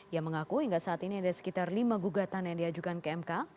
ia mengaku hingga saat ini ada sekitar lima gugatan yang diajukan ke mk